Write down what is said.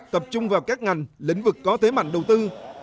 tập trung vào các ngành lĩnh vực có thế mạnh đầu tư